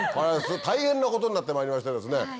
大変なことになってまいりましてですね。